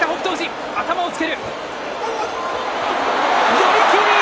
寄り切り。